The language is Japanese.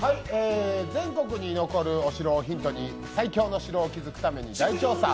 全国に残るお城をヒントに最強の城を築くために大調査。